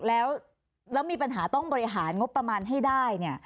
แล้วมีปัญหาต้องบริหารงบประมาณให้ได้เนี่ย